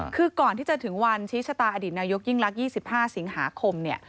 คือก่อนที่จะถึงวันชีวิตชะตาอดีตนายกยิ่งลักษณ์๒๕สิงหาคม